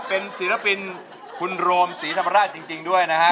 เป็นศิลปินคุณโรมศรีธรรมราชจริงด้วยนะฮะ